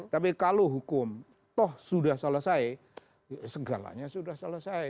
tapi kalau hukum toh sudah selesai segalanya sudah selesai